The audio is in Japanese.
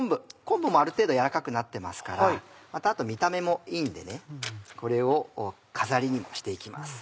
昆布もある程度軟らかくなってますからあと見た目もいいんでねこれを飾りにもして行きます。